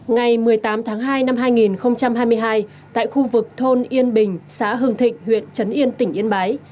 ngày một mươi tám tháng hai năm hai nghìn hai mươi hai tại khu vực thôn yên bình xã hưng thịnh huyện trấn yên tỉnh yên bái